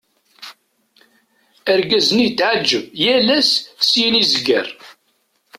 Argaz-nni yetɛeğğeb, yal ass syin i zegger.